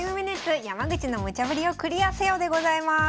「５ｍｉｎｕｔｅｓ山口のムチャぶりをクリアせよ」でございます。